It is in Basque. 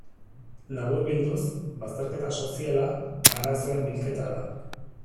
Laburbilduz, bazterketa soziala, arazoen bilketa da.